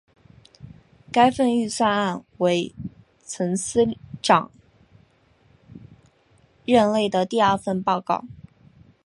该份预算案为曾司长任内的第二份报告。